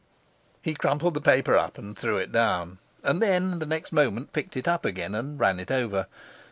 He crumpled the paper up and threw it down; and then, the next moment, picked it up again and ran it over.